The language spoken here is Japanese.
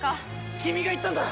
君が言ったんだ！